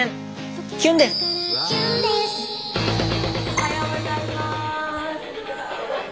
おはようございます。